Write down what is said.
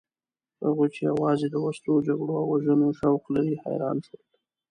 هغوی چې یوازې د وسلو، جګړو او وژنو شوق لري حیران شول.